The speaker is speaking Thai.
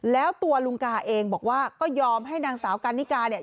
แล้วตัวลุงกาเองบอกว่าก็ยอมให้นางสาวกันนิกาเนี่ย